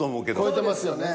超えてますよね。